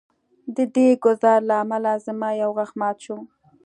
د دې ګزار له امله زما یو غاښ مات شو